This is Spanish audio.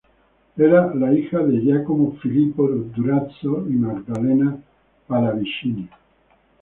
Era la hija de Giacomo Filippo Durazzo y Maddalena Pallavicini.